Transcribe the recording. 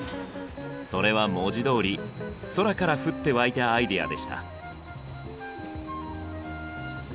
それは文字どおり空から降って湧いたアイデアでした。